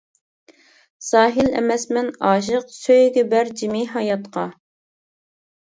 ساھىل ئەمەسمەن ئاشىق، سۆيگۈ بەر جىمى ھاياتقا.